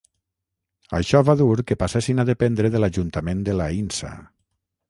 Això va dur que passessin a dependre de l'ajuntament de l'Aïnsa.